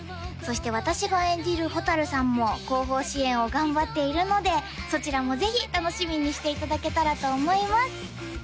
そして私が演じる蛍さんも後方支援を頑張っているのでそちらもぜひ楽しみにしていただけたらと思います